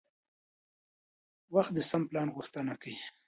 وخت د سم پلان غوښتنه کوي